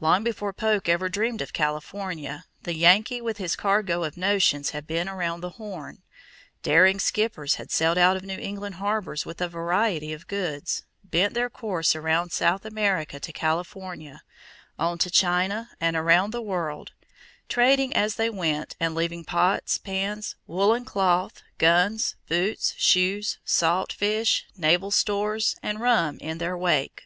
Long before Polk ever dreamed of California, the Yankee with his cargo of notions had been around the Horn. Daring skippers had sailed out of New England harbors with a variety of goods, bent their course around South America to California, on to China and around the world, trading as they went and leaving pots, pans, woolen cloth, guns, boots, shoes, salt fish, naval stores, and rum in their wake.